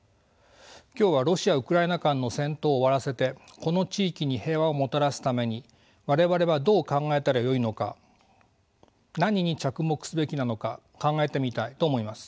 今日はロシア・ウクライナ間の戦闘を終わらせてこの地域に平和をもたらすために我々はどう考えたらよいのか何に着目すべきなのか考えてみたいと思います。